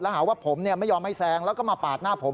หาว่าผมไม่ยอมให้แซงแล้วก็มาปาดหน้าผม